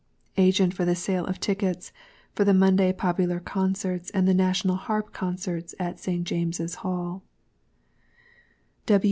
Agent for the Sale of Tickets for the Monday Popular Concerts and the National Harp Concerts at St. JamesŌĆÖs Hall.